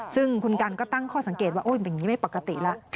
ซึ่งคุณการณ์ก็ตั้งข้อสังเกตว่าโอ๊ยเป็นอย่างนี้ไม่ปกติแล้ว